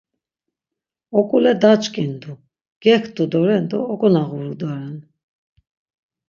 Oǩule daç̌ǩindu, gektu doren do oǩonağuru doren.